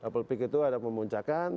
double peak itu ada memuncakan